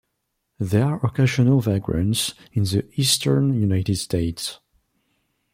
They are occasional vagrants in the eastern United States.